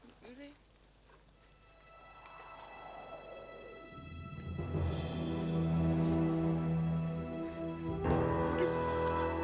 nanti gue jalan dulu